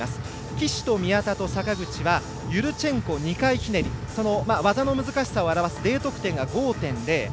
岸と宮田と坂口はユルチェンコ２回ひねり技の難しさを表すＤ得点が５．０。